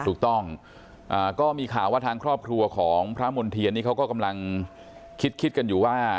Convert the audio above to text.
ถูกต้องก็มีข่าวว่าทางครอบครัวของพระมณ์เทียนนี่เขาก็กำลังคิดกันอยู่ว่า